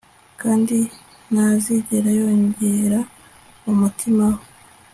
kandi ntazigera yongera umutima we